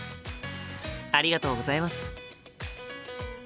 ありがとうございます。